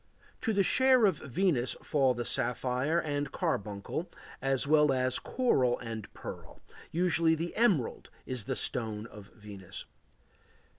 To the share of Venus fall the sapphire and carbuncle as well as coral and pearl; usually the emerald is the stone of Venus.